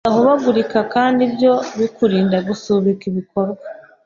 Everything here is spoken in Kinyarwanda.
udahubagurika, kandi ibyo bikurinda gusubika ibikorwa